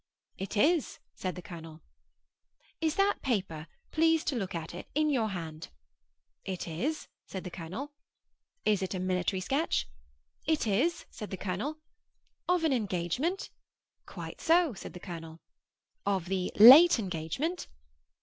'It is,' said the colonel. 'Is that paper—please to look at it—in your hand?' 'It is,' said the colonel. 'Is it a military sketch?' 'It is,' said the colonel. 'Of an engagement?' 'Quite so,' said the colonel. 'Of the late engagement?